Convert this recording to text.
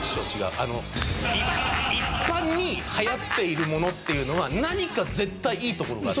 あの一般に流行っているものっていうのは何か絶対いいところがある。